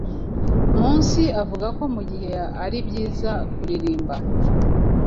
Munsi avuga ko mugihe aribyiza kuririmba